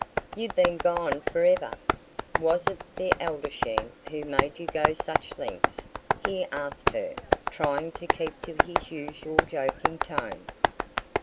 "You've been gone forever. Was it the Adelschein who made you go such lengths?" he asked her, trying to keep to his usual joking tone.